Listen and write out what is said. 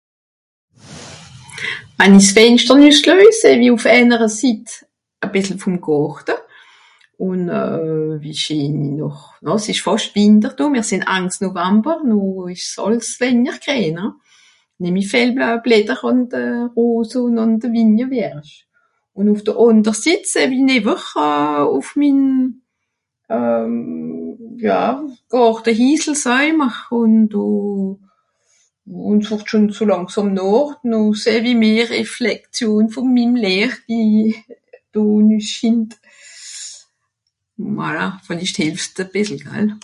Wann i s'Fenschter nüss luej, seh-w-i ùf ènere Sitt e bìssel vùm Gàrte, ùn euh... wie scheen noch... na s'ìsch fàscht Wìnter do mìr sìnn Angs November, noh ìsch's àls wenjer grìen hein, nemmi fällt euh... Blätter àn de Roseaux ùn àn de Vignes vierges hein. Ùn ùf de ànder Sitt seh-w-i näwer ùf min euh... ja Gàrtehissel soej mr, ùn do, ùn s'wùrd schon so làngsàm Nàcht, noh seh-w-i mehr Reflexion vùn mim Lìecht, wie... do nüsschint. Voilà, vìllicht hìlft's e bìssel, gall ?